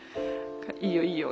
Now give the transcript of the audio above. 「いいよいいよ。